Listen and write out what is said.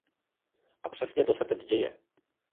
A přesně to se teď děje.